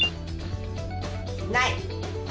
ない。